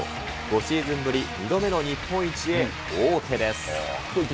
５シーズンぶり２度目の日本一へ、王手です。